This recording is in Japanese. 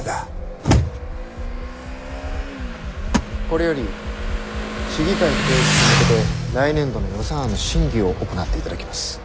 これより市議会提出に向けて来年度の予算案の審議を行っていただきます。